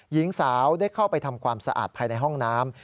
หญิงสาวได้เข้าไปทำความสะอาดภายในห้องน้ำ